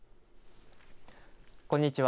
こんにちは。